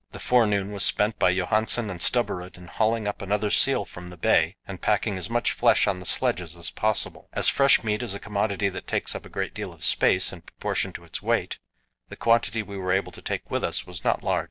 The forenoon was spent by Johansen and Stubberud in hauling up another seal from the bay and packing as much flesh on the sledges as possible. As fresh meat is a commodity that takes up a great deal of space in proportion to its weight, the quantity we were able to take with us was not large.